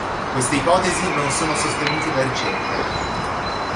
Queste ipotesi non sono sostenute da ricerche.